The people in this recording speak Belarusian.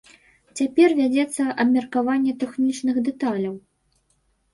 Цяпер вядзецца абмеркаванне тэхнічных дэталяў.